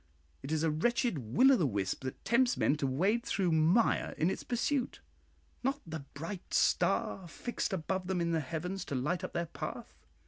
It is a wretched Will o' the wisp that tempts men to wade through mire in its pursuit, not the bright star fixed above them in the heavens to light up their path.